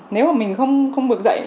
nếu mình không vượt dậy